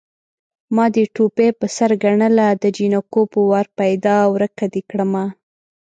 ما دې ټوپۍ په سر ګڼله د جنکو په وار پيدا ورکه دې کړمه